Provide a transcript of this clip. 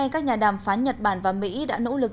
các nhà đàm phán nhật bản và mỹ đã nỗ lực